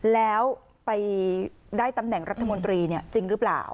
แล้วไปได้ตำแหน่งรัฐมนตรีจริงหรือเปล่า